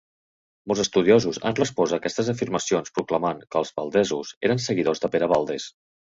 Molts estudiosos han respost aquestes afirmacions proclamant que els valdesos eren seguidors de Pere Valdès.